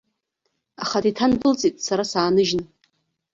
Аха деиҭандәылҵит сара сааныжьны.